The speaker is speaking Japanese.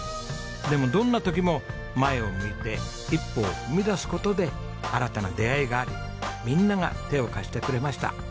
でもどんな時も前を向いて一歩を踏み出す事で新たな出会いがありみんなが手を貸してくれました。